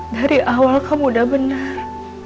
dari awal kamu udah benar